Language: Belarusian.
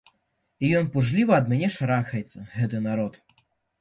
І ён пужліва ад мяне шарахаецца, гэты народ.